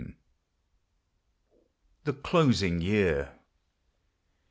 THE CLOSIXG YEAR.